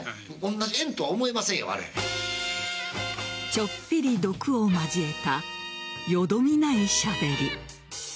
ちょっぴり毒を交えたよどみないしゃべり。